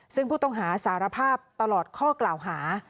ซึ่งผู้ต้องหาสารภาพตลอดข้อกล่าวหา